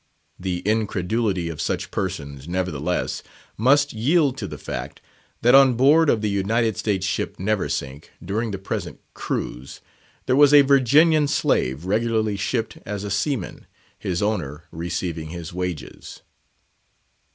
The incredulity of such persons, nevertheless, must yield to the fact, that on board of the United States ship Neversink, during the present cruise, there was a Virginian slave regularly shipped as a seaman, his owner receiving his wages.